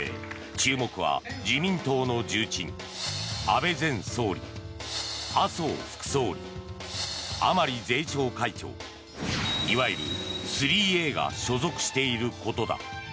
注目は自民党の重鎮安倍前総理、麻生副総理甘利税調会長、いわゆる３Ａが所属していることだ。